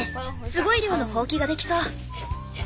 すごい量のホウキができそう。